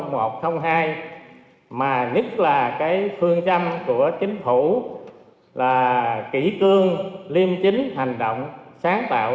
mà nhất là cái phương châm của chính phủ là kỹ cương liêm chính hành động sáng tạo